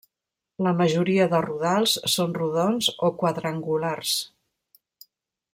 La majoria de rodals són rodons o quadrangulars.